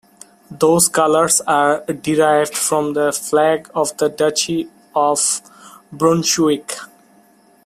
Those colours are derived from the flag of the Duchy of Brunswick.